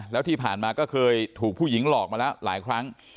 แล้วที่ผ่านมาก็เคยถูกผู้หญิงหลอกมาแล้วหลายครั้ง